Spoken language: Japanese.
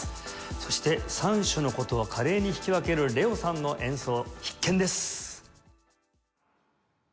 そして３種の箏を華麗に弾き分けるＬＥＯさんの演奏必見です！